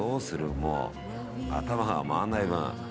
もう頭が回んないな。